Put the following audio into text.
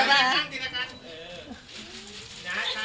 บ๊ายบายตั้งทีละกัน